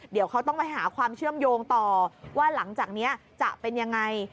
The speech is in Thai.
เดี๋ยวเขาต้องไปหาความเชื่อมโยงต่อว่าหลังจากนี้จะเป็นยังไง